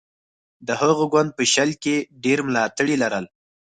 د هغه ګوند په شل کې ډېر ملاتړي لرل.